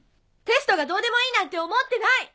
テストがどうでもいいなんて思ってない！